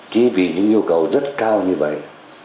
chính vì những yêu cầu rất cao như vậy